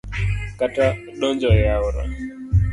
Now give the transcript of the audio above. Kata donjo e aora